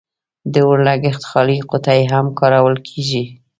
د اور لګیت خالي قطۍ هم کارول کیږي.